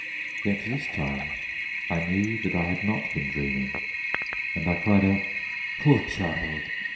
Yet this time I knew that I had not been dreaming, and I cried out: "Poor child!